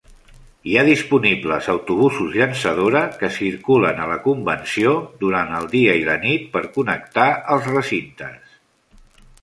Hi ha disponibles autobusos llançadora que circulen a la convenció durant el dia i la nit per connectar els recintes.